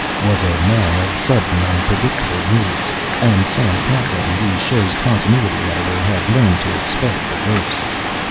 _, was a man of sudden unpredictable moods; and Sam Catlin, the show's Continuity Editor, had learned to expect the worst.